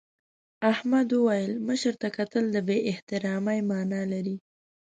احمد وویل مشر ته کتل د بې احترامۍ مانا لري.